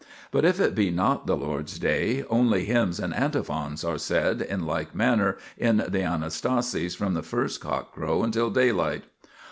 But if it be not the Lord's Day, only hymns and antiphons are said in like manner in the Anastasis from the first cockcrow until daylight.